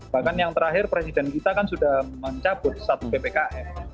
bahkan yang terakhir presiden kita kan sudah mencabut satu ppkm